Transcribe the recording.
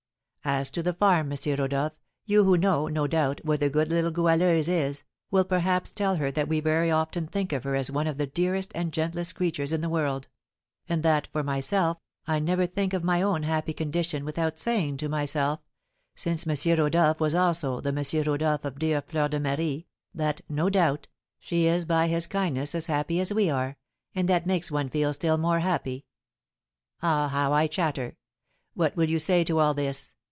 "As to the farm, M. Rodolph, you who know, no doubt, where the good little Goualeuse is, will perhaps tell her that we very often think of her as one of the dearest and gentlest creatures in the world; and that, for myself, I never think of my own happy condition without saying to myself, since M. Rodolph was also the M. Rodolph of dear Fleur de Marie, that, no doubt, she is by his kindness as happy as we are, and that makes one feel still more happy. Ah, how I chatter! What will you say to all this?